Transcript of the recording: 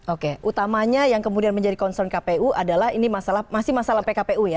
oke utamanya yang kemudian menjadi concern kpu adalah ini masih masalah pkpu ya